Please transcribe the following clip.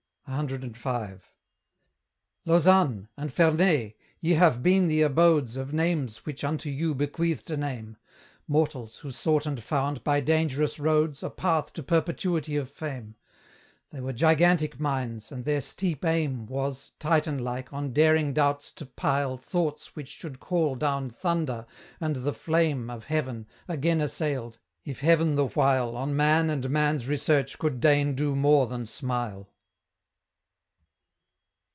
CV. Lausanne! and Ferney! ye have been the abodes Of names which unto you bequeathed a name; Mortals, who sought and found, by dangerous roads, A path to perpetuity of fame: They were gigantic minds, and their steep aim Was, Titan like, on daring doubts to pile Thoughts which should call down thunder, and the flame Of Heaven, again assailed, if Heaven the while On man and man's research could deign do more than smile.